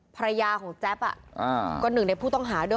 ภรรยาของแจ๊บก็หนึ่งในผู้ต้องหาด้วย